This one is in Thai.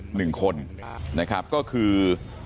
หนึ่งคนนะครับก็คือ